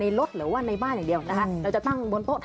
อย่างแรกเลยก็คือการทำบุญเกี่ยวกับเรื่องของพวกการเงินโชคลาภ